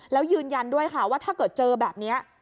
แล้วยืนยันด้วยค่ะว่าถ้าเกิดเจอแบบนี้